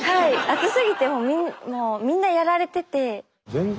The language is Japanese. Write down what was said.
暑すぎてもうみんなやられてて。